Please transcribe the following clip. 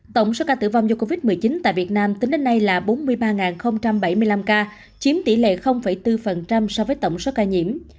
tổng số ca tử vong do covid một mươi chín tại việt nam tính đến nay là bốn mươi ba bảy mươi năm ca chiếm tỷ lệ bốn so với tổng số ca nhiễm